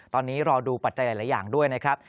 ตอนนี้รอดูปัจจัยหลายอย่างด้วยนะครับ